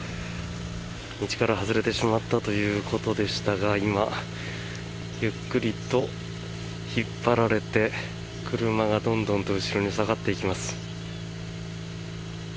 道から外れてしまったということでしたが今、ゆっくりと引っ張られて車がどんどんと後ろに下がっていきます。